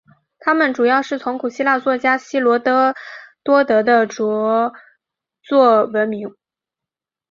他们主要是从古希腊作家希罗多德的着作闻名。